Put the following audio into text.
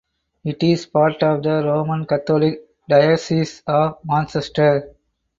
It is part of the Roman Catholic Diocese of Manchester.